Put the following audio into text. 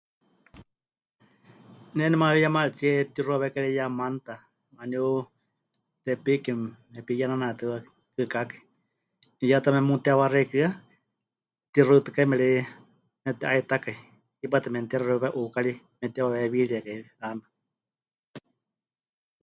Ne nemayuyemaritsie pɨtixuawékai 'iyá manta, waaníu Tepiki mepiyenanetɨkɨkákai, 'iyá ta memutewá xeikɨ́a tixutɨkaime ri mepɨte'aitakai, hipátɨ memɨtexuiwawe 'ukári mepɨtewaweewiriekai ri 'aana.